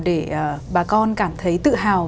để bà con cảm thấy tự hào